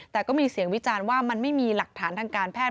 แต่ก็มีเสียงวิจารณ์ว่ามันไม่มีหลักฐานทางการแพทย